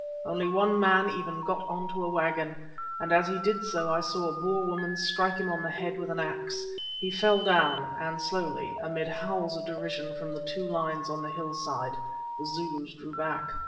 Only one man even got on to a waggon, and as he did so I saw a Boer woman strike him on the head with an axe. He fell down, and slowly, amid howls of derision from the two lines on the hill side, the Zulus drew back.